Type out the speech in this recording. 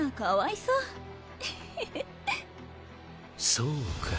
そうか。